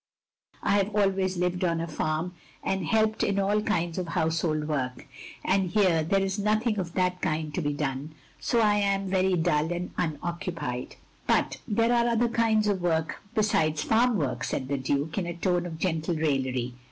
I have always lived on a farm, and helped in all kinds of household work ; and here there is nothing of that kind to be done. So I am very dull and tmoccupied." "But there are other kinds of work besides farm work," said the Duke, in a tone of gentle raillery.